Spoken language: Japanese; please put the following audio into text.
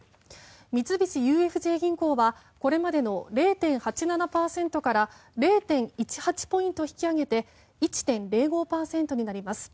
三菱ＵＦＪ銀行はこれまでの０．８７％から０．１８ポイント引き上げて１．０５％になります。